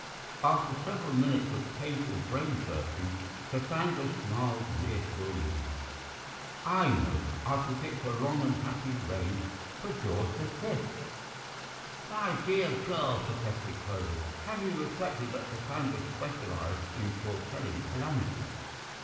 After several minutes of painful brain searching, Cassandra smiled reassuringly. "I know. I'll predict a long and happy reign for George the Fifth." "My dear girl," protested Clovis, "have you reflected that Cassandra specialized in foretelling calamities?"